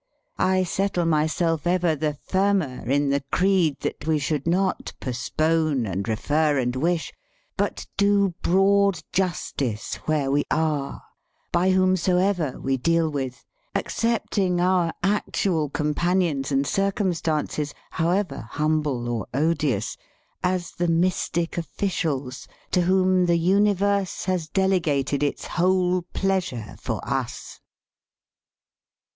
I settle myself ever the firmer in the creed that we should not postpone and refer and wish, but do broad justice where we are, by whomsoever we deal with, accepting our actual companions and circumstances, however humble or odious, as the mystic officials to whom the universe has delegated its whole pleasure for us."